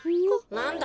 なんだ？